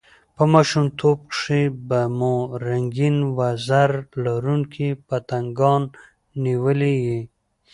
په ماشومتوب کښي به مو رنګین وزر لرونکي پتنګان نیولي يي!